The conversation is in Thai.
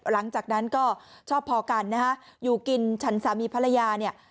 หลังจากนั้นก็ชอบพอกันนะฮะอยู่กินฉันสามีภรรยาเนี่ย